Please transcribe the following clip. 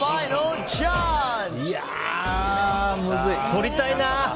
取りたいな！